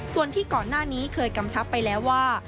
ส่วนที่ก่อนหน้านี้เคยกำชับไปแล้วว่า